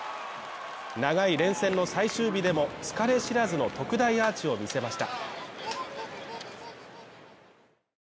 長い連戦の最終日でも疲れ知らずの特大アーチを見せました。